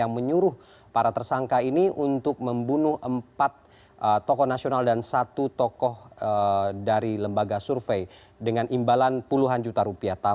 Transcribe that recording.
yang menyuruh para tersangka ini untuk membunuh empat tokoh nasional dan satu tokoh dari lembaga survei dengan imbalan puluhan juta rupiah